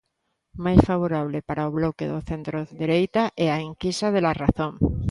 Máis favorable para o bloque de centrodereita é a enquisa de La Razón.